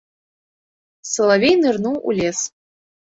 Салавей нырнуў у лес.